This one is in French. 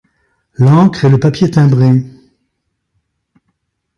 L’encre et le papier timbré. ;